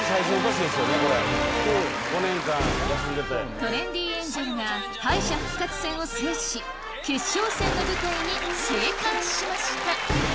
トレンディエンジェルが敗者復活戦を制し決勝戦の舞台に生還しました。